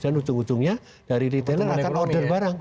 dan ujung ujungnya dari retailer akan order barang